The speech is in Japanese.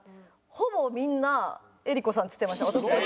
ほぼみんな江里子さんっつってました。